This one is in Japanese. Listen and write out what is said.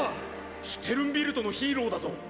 シュテルンビルトのヒーローだぞ！